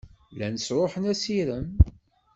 Llan sṛuḥen assirem.